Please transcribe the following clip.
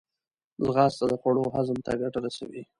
ځغاسته د خوړو هضم ته ګټه رسوي